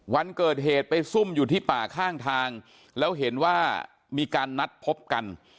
วันเกิดเหตุไปซุ่มอยู่ที่ป่าข้างทางแล้วเห็นว่ามีการนัดพบกัน